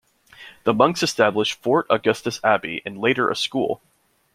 The monks established Fort Augustus Abbey and later a school.